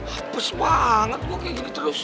hapus banget gue kayak gini terus